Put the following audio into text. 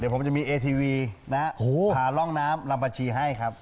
เดี๋ยวผมจะมีเอทีวีนะพาล่องน้ำลำพาชีให้ครับ